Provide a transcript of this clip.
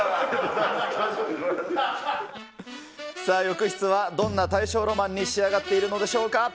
さあ、浴室はどんな大正ロマンに仕上がっているのでしょうか。